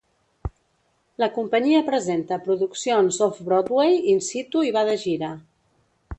La companyia presenta produccions Off-Broadway in situ i va de gira.